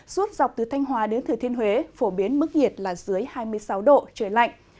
suốt dọc từ thanh hòa đến thừa thiên huế phổ biến mức nhiệt là dưới hai mươi sáu độ trời lạnh